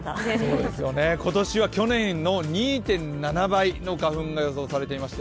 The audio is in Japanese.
今年は去年の２．７倍の花粉が予想されていまして